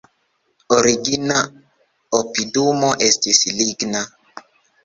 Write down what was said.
Origina opidumo estis ligna.